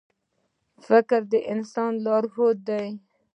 • فکر د انسان لارښود دی.